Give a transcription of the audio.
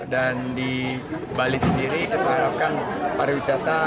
dan di bali sendiri kita harapkan para wisata